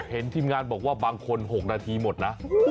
เห็นทีมงานบอกว่าบางคน๖นาทีหมดนะ